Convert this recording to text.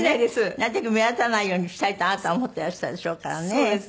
なるたけ目立たないようにしたいとあなたは思っていらしたでしょうからね。